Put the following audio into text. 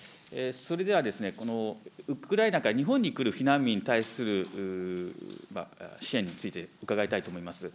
それでは、このウクライナから日本に来る避難民に対する支援について伺いたいと思います。